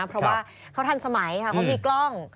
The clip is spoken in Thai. เพราะว่าเขาทันสมัยค่ะเขามีกล้อง